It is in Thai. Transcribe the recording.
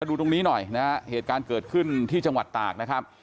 ดูตรงนี้หน่อยนะฮะเหตุการณ์เกิดขึ้นที่จังหวัดตากนะครับ